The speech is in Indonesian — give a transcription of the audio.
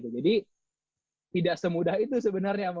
jadi tidak semudah itu sebenarnya